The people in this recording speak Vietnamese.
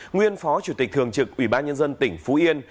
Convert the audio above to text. nguyên phó chủ tịch thường trực ủy ban nhân dân tỉnh phú yên